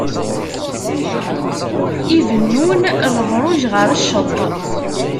Ibennun lebṛuj ɣer cceṭ.